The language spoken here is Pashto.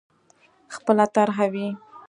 خپله طرح وي.